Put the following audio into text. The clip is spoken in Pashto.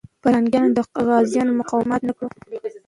پرنګیان د غازيانو مقاومت مات نه کړ.